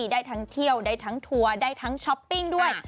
ได้ทั้งเที่ยวได้ทั้งทัวร์ได้ทั้งช้อปปิ้งด้วย